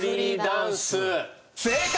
正解！